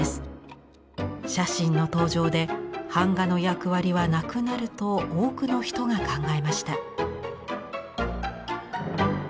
写真の登場で版画の役割はなくなると多くの人が考えました。